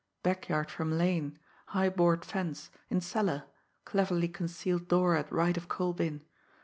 backyard from lane, high board fence ... in cellar ... cleverly concealed door at right of coal bin